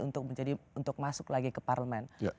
untuk masuk lagi ke parlemen